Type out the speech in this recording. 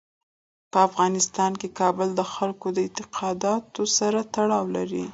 په افغانستان کې کابل د خلکو د اعتقاداتو سره تړاو لري.